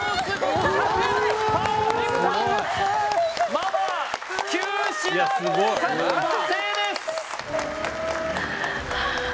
マ・マー９品合格達成です！